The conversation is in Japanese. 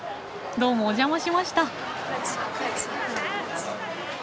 どうもお邪魔しました。